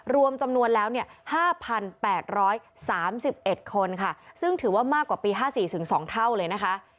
รวมจำนวนแล้ว๕๘๓๑คนค่ะซึ่งถือว่ามากกว่าปี๕๔ถึง๒เท่าเลยนะคะ